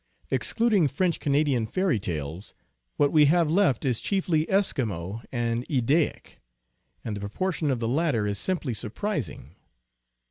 Excluding French Canadian fairy tales, what we have left is chiefly Eskimo and Eddaic, and the proportion of the latter is simply surprising.